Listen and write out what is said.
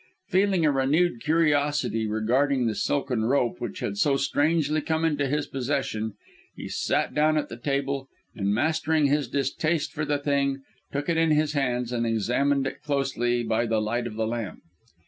Feeling a renewed curiosity regarding the silken rope which had so strangely come into his possession, he sat down at the table, and mastering his distaste for the thing, took it in his hands and examined it closely by the light of the lamp.